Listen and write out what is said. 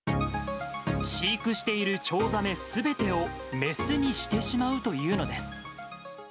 飼育しているチョウザメすべてをメスにしてしまうというのです。